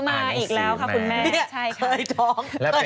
อ่านหนังสือมาอีกแล้วค่ะคุณแม่